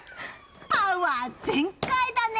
パワー全開だね！